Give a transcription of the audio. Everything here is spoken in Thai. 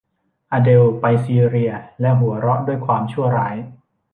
อเดลล์ไปซีเรียและหัวเราะด้วยความชั่วร้าย